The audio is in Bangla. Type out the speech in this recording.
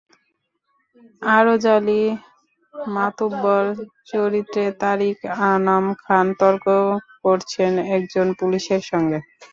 আরজ আলী মাতুব্বর চরিত্রে তারিক আনাম খান তর্ক করছেন একজন পুলিশের সঙ্গে।